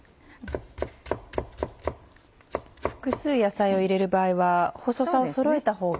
複数野菜を入れる場合は細さをそろえたほうが。